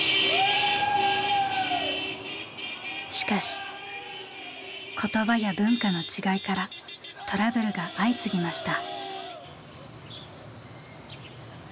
しかし言葉や文化の違いからトラブルが相次ぎました。